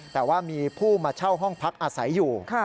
แต่ว่ามีผู้มาเช่าห้องพักอาศัยอยู่